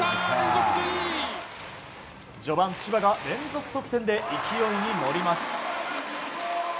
序盤、千葉が連続得点で勢いに乗ります。